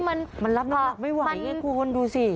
มันรับนักรับไม่ไหวอย่างงี้คุณว่ะดูสิ